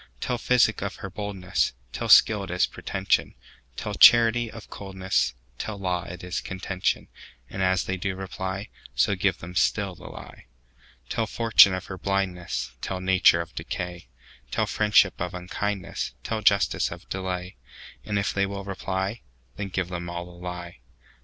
Tell physic of her boldness; Tell skill it is pretension; Tell charity of coldness; Tell law it is contention:And as they do reply, So give them still the lie. Tell fortune of her blindness; Tell nature of decay; Tell friendship of unkindness; Tell justice of delay; And if they will reply, Then give them all the lie.